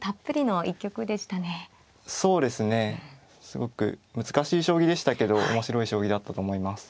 すごく難しい将棋でしたけど面白い将棋だったと思います。